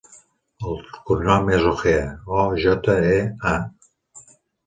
El cognom és Ojea: o, jota, e, a.